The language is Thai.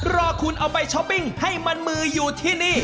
รอคุณเอาไปช้อปปิ้งให้มันมืออยู่ที่นี่